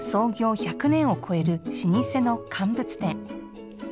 １００年を超える老舗の乾物店。